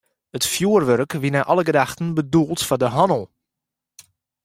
It fjoerwurk wie nei alle gedachten bedoeld foar de hannel.